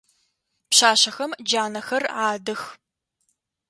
Пшъашъэхэм джанэхэр адых.